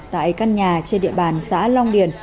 tại căn nhà trên địa bàn xã long điền